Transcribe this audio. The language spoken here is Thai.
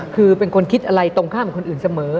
คือเป็นคนคิดอะไรตรงข้ามกับคนอื่นเสมอ